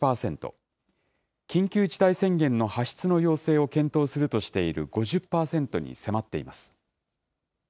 緊急事態宣言の発出の要請を検討するとしている５０％に迫っています。